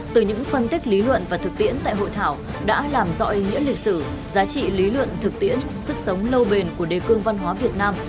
từ những phân tích lý luận và thực tiễn tại hội thảo đã làm rõ ý nghĩa lịch sử giá trị lý luận thực tiễn sức sống lâu bền của đề cương văn hóa việt nam